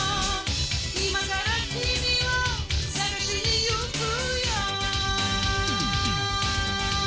「今から君を探しにゆくよ」